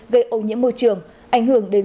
gây ô nhiễm môi trường ảnh hưởng đến